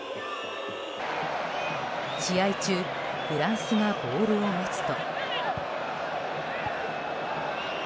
試合中、フランスがボールを持つと。